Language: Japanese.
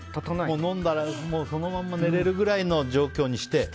飲んだらそのまま寝れるくらいの状況にして。